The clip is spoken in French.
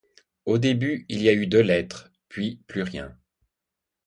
Au début, il y a eu deux lettres, puis plus rien.